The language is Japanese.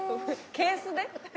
ケースで？